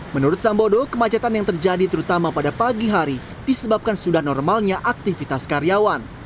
menurut sambodo kemacetan yang terjadi terutama pada pagi hari disebabkan sudah normalnya aktivitas karyawan